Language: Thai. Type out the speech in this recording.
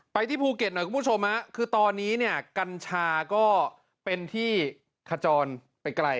ที่ภูเก็ตหน่อยคุณผู้ชมคือตอนนี้เนี่ยกัญชาก็เป็นที่ขจรไปไกล